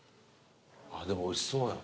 あっでもおいしそうやわ。